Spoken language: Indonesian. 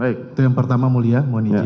itu yang pertama mulia